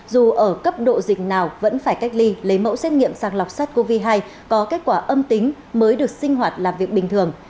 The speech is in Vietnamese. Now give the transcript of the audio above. dù ở cấp độ dịch nào vẫn phải cách ly lấy mẫu xét nghiệm sàng lọc sars cov hai có kết quả âm tính mới được sinh hoạt làm việc bình thường